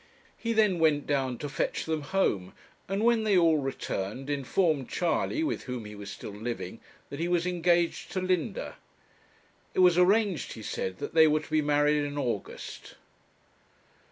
He then went down to fetch them home, and when they all returned, informed Charley, with whom he was still living, that he was engaged to Linda. It was arranged, he said, that they were to be married in August.